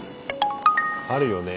あるよね。